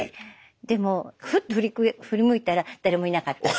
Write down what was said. でもふっと振り向いたら誰もいなかったとか。